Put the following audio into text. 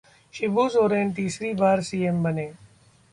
शिबू सोरेन तीसरी बार सीएम बने